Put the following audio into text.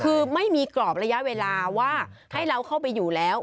คือไม่มีกรอบระยะเวลาว่าให้เราเข้าไปอยู่แล้ว